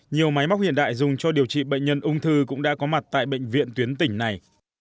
nhiều máy móc hiện đại dùng cho điều trị bệnh nhân ung thư cũng đã có mặt tại bệnh viện tuyến tỉnh này